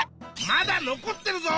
まだ残ってるぞ！